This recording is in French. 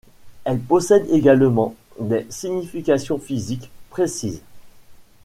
Elle possède également des significations physiques précises.